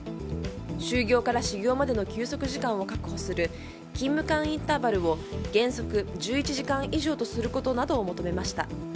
就業から始業までの休息時間を確保する勤務間インターバルを原則１１時間以上にすることなどを求めました。